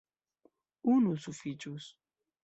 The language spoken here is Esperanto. Unu sufiĉus.